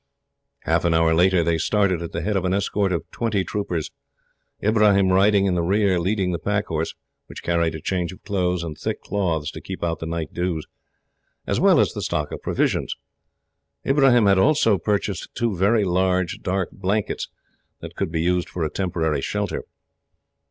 Half an hour later they started, at the head of an escort of twenty troopers; Ibrahim riding in the rear, leading the pack horse, which carried a change of clothes, and thick cloths to keep out the night dews, as well as the stock of provisions. Ibrahim had also purchased two very large, dark blankets, that could be used for a temporary shelter.